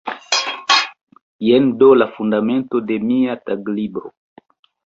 Jen do la fundamento de mia taglibro“.